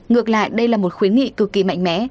ngược lại đây là một khuyến nghị cực kỳ mạnh mẽ